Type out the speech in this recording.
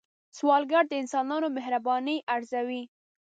سوالګر د انسانانو مهرباني ارزوي